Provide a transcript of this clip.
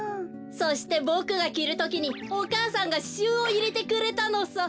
そしてボクがきるときにお母さんがししゅうをいれてくれたのさ。